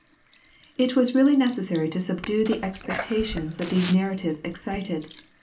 ] It was really necessary to subdue the expectations that these narratives excited!